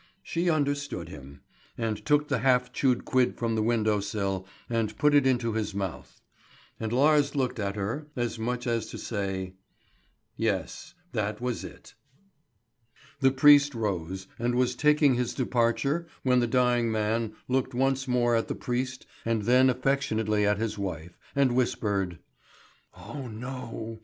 She understood him, and took the half chewed quid from the window sill and put it into his mouth; and Lars looked at her, as much as to say: "Yes, that was it." The priest rose, and was taking his departure when the dying man looked once more at the priest and then affectionately at his wife, and whispered: "Oh no!